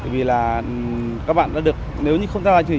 vì là các bạn đã được nếu như không được